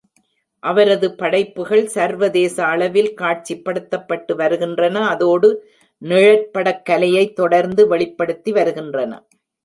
அவரது படைப்புகள் சர்வதேச அளவில் காட்சிப்படுத்தப்பட்டு வருகின்றன, அதோடு நிழற்படக் கலையை தொடர்ந்து வெளிப்படுத்தி வருகின்றன.